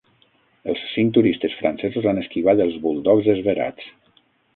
Els cinc turistes francesos han esquivat els buldogs esverats.